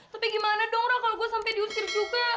tapi gimana dong orang kalau gue sampai diusir juga